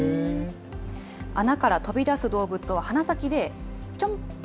穴から飛び出す動物を鼻先でちょんと。